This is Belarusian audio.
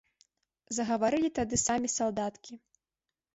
Загаварылі тады самі салдаткі.